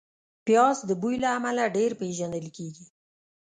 پیاز د بوی له امله ډېر پېژندل کېږي